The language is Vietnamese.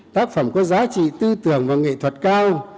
tác phẩm có giá trị tư tưởng và nghệ thuật cao